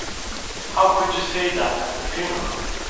How could you say that at the funeral?